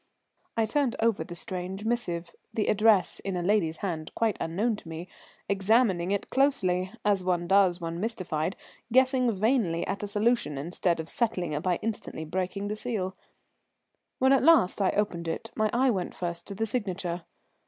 I turned over the strange missive, the address in a lady's hand quite unknown to me, examining it closely, as one does when mystified, guessing vainly at a solution instead of settling it by instantly breaking the seal. When at last I opened it my eye went first to the signature.